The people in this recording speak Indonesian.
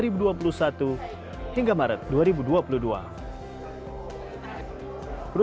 vaksin tersebut akan diperoleh oleh biontech